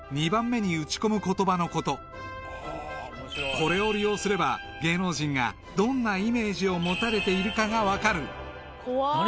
［これを利用すれば芸能人がどんなイメージを持たれているかが分かる］